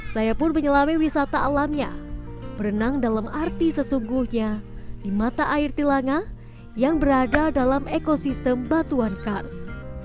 saya pun menyelami wisata alamnya berenang dalam arti sesungguhnya di mata air tilanga yang berada dalam ekosistem batuan kars